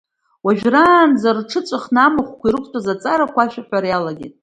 Уажәраанӡа рҽыҵәахны амахәқәа ирықәтәаз аҵарақәа ашәаҳәара иалагеит.